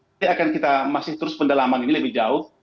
nanti akan kita masih terus pendalaman ini lebih jauh